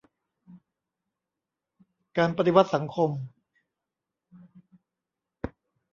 การปฏิวัติสังคม